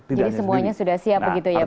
jadi semuanya sudah siap begitu ya pak ya